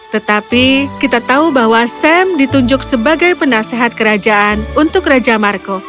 tetapi kita tahu bahwa sam ditunjuk sebagai penasehat kerajaan untuk raja marco